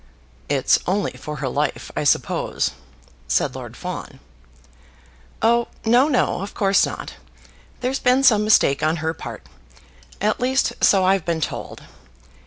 "It's only for her life, I suppose?" said Lord Fawn. "Oh, no, no; of course not. There's been some mistake on her part; at least, so I've been told.